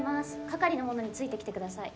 係の者について来てください